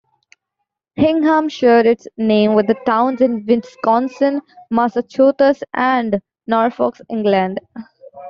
Hingham shares its name with towns in Wisconsin, Massachusetts and Norfolk, England.